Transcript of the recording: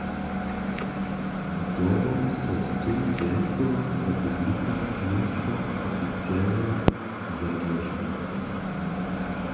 Zdobom so z tym Zwjazkowa republika Němska oficialnje załoži.